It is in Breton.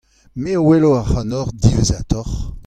Me a welo ac'hanoc'h diwezhatoc'h.